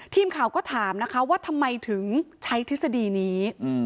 ทีมข่าวก็ถามนะคะว่าทำไมถึงใช้ทฤษฎีนี้